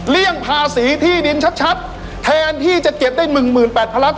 เลี่ยงภาษีที่ดินชัดชัดแทนที่จะเก็บได้หนึ่งหมื่นแปดพลักษณ์